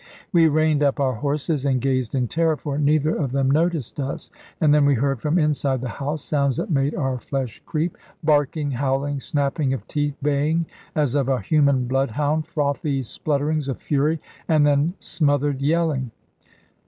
We reined up our horses, and gazed in terror, for neither of them noticed us; and then we heard, from inside the house, sounds that made our flesh creep. Barking, howling, snapping of teeth, baying as of a human bloodhound, frothy splutterings of fury, and then smothered yelling.